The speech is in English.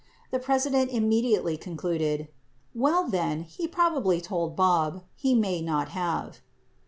The President immediately con cluded : "Well, then, he probably told Bob. He may not have."